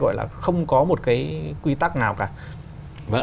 gọi là không có một quy tắc nào cả